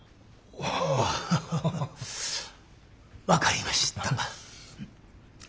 ああ分かりました。